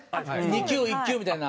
２級１級みたいな。